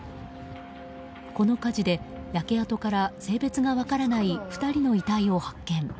この火事で、焼け跡から性別が分からない２人の遺体を発見。